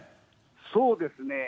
そうですね。